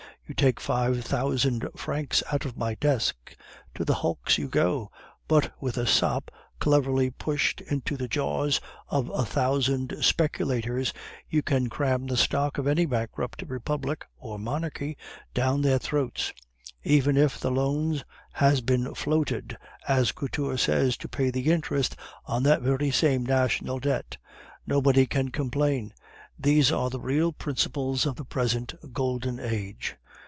You take five thousand francs out of my desk; to the hulks you go. But with a sop cleverly pushed into the jaws of a thousand speculators, you can cram the stock of any bankrupt republic or monarchy down their throats; even if the loan has been floated, as Couture says, to pay the interest on that very same national debt. Nobody can complain. These are the real principles of the present Golden Age."